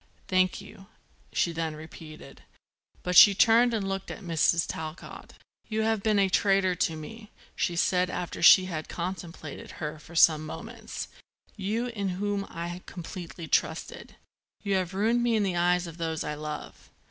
"Thank you," she then repeated. But she turned and looked at Mrs. Talcott. "You have been a traitor to me," she said after she had contemplated her for some moments, "you, in whom I completely trusted. You have ruined me in the eyes of those I love."